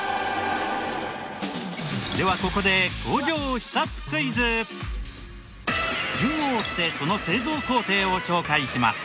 ではここで順を追ってその製造工程を紹介します。